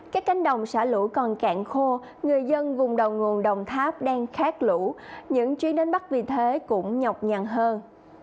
các cánh đồng xả lũ còn cạn khô người dân vùng đầu nguồn đồng tháp đang khát lũ những chuyến đến bắc vì thế cũng nhọc nhằn hơn